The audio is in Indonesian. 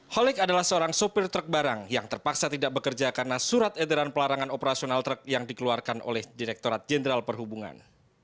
holik adalah seorang sopir truk barang yang terpaksa tidak bekerja karena surat edaran pelarangan operasional truk yang dikeluarkan oleh direkturat jenderal perhubungan